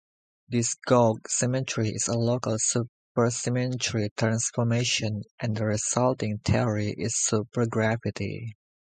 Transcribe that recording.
This gauge symmetry is a local supersymmetry transformation, and the resulting theory is supergravity.